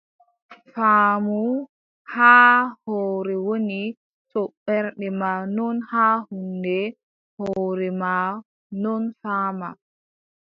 Faamu haa hoore woni, to ɓernde maa non haa huunde, hoore maa non faama.